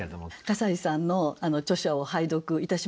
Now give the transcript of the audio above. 笠井さんの著書を拝読いたしました。